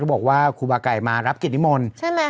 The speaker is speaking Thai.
ถูกต้องถูกต้องถูกต้องถูกต้องถูกต้อง